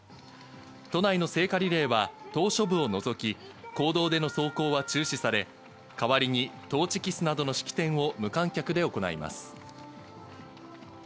都内の聖火リレーは島しょ部を除き、公道での走行は中止され、代わりにトーチキスなどの式典を無観客で行います。